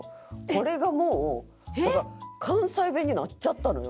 これがもう関西弁になっちゃったのよ